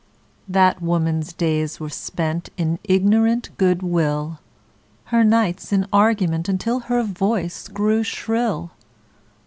That woman's days were spent In ignorant good will, Her nights in argument Until her voice grew shrill.